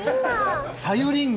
さゆりんご。